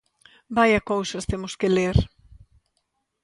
Vaia cousas temos que ler.